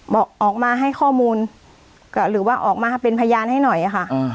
บอกออกมาให้ข้อมูลก็หรือว่าออกมาเป็นพยานให้หน่อยค่ะ